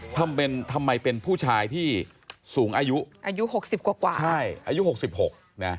ทำเป็นทำไมเป็นผู้ชายที่สูงอายุอายุหกสิบกว่าใช่อายุหกสิบหกนะ